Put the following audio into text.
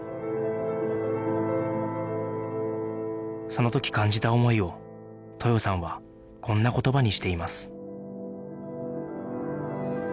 その時感じた思いを豊さんはこんな言葉にしています